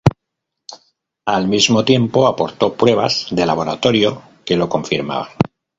Al mismo tiempo, aportó pruebas de laboratorio que lo confirmaban.